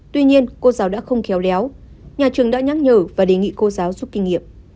tuy nhiên cô giáo đã không khéo léo nhà trường đã nhắc nhở và đề nghị cô giáo giúp kinh nghiệm